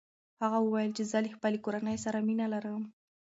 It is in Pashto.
هغه وویل چې زه له خپلې کورنۍ سره مینه لرم.